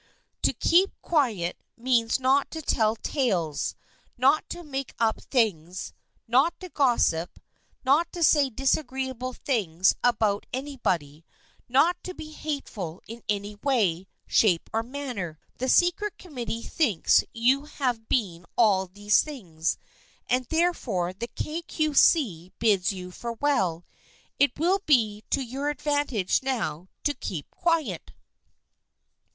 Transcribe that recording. To Keep Quiet means not to tell tales, not to make up things, not to gossip, not to say disagreeable things about anybody, not to be hateful in any way, shape or manner. The secret committee thinks you have been all these things, and therefore the Kay Cue See bids you farewell. It will be to your advantage now to Keep Quiet